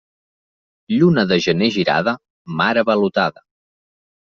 Lluna de gener girada, mar avalotada.